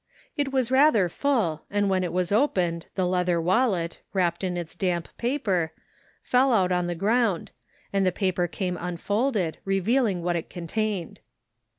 It was rather full and when it was opened the leather wallet, wrapped in its damp paper, fell out on the ground, and the paper came unfolded, revealing what it contained.